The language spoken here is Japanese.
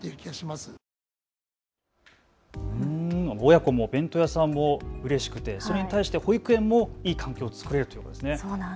親子もお弁当屋さんもうれしくて保育園もいい環境を作れるということですね。